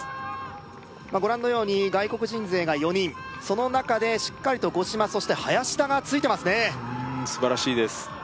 まあご覧のように外国人勢が４人その中でしっかりと五島そして林田がついてますねうん素晴らしいです